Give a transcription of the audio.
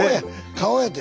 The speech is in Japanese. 顔やて。